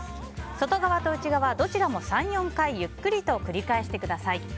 外側と内側、どちらも３４回ゆっくりと繰り返してください。